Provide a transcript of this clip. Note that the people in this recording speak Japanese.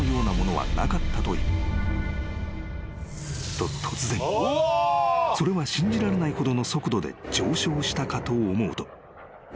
［と突然それは信じられないほどの速度で上昇したかと思うと］